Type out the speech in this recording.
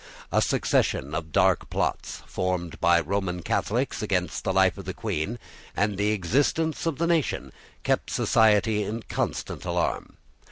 A succession of dark plots, formed by Roman Catholics against the life of the Queen and the existence of the nation, kept society in constant alarm.